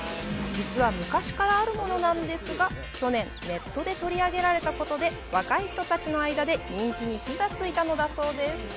実は昔からあるものなんですが去年、ネットで取り上げられたことで若い人たちの間で人気に火がついたのだそうです。